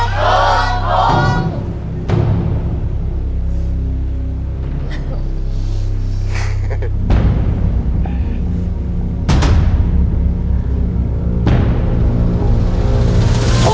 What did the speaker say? ๖รูป